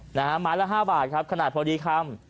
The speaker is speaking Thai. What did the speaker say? หมาตลาดละ๕บาทขนาดพอดีค่ำ